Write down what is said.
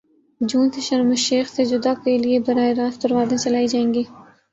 جون سے Sharm el Sheikh سے Jeddah کے لیے براہ راست پروازیں چلائی جائیں گی